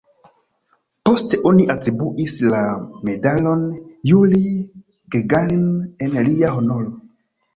Poste oni atribuis la Medalon Jurij Gagarin en lia honoro.